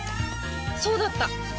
そうだった！